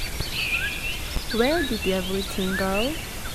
Where did everything go?